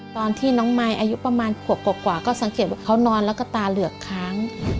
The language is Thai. ตอนที่น้องมายอายุประมาณขวบกว่าก็สังเกตว่าเขานอนแล้วก็ตาเหลือกค้าง